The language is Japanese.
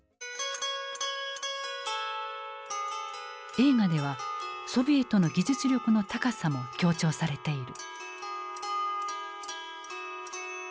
映画ではソビエトの技術力の高さも強調されている。